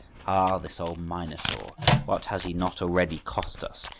… Ah, this old Minotaur! What has he not already cost us?